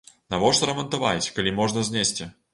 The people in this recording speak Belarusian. Навошта рамантаваць, калі можна знесці?